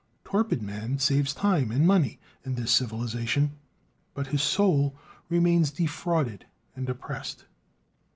Torpid man saves time and money in this civilization; but his soul remains defrauded and oppressed.